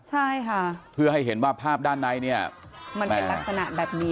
ใช่ค่ะเพื่อให้เห็นว่าภาพด้านในเนี่ยมันเป็นลักษณะแบบนี้